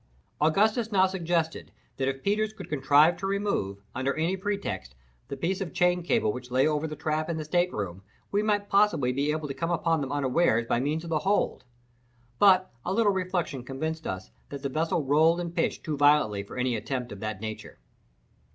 Augustus now suggested that if Peters could contrive to remove, under any pretext, the piece of chain cable which lay over the trap in the stateroom, we might possibly be able to come upon them unawares by means of the hold; but a little reflection convinced us that the vessel rolled and pitched too violently for any attempt of that nature.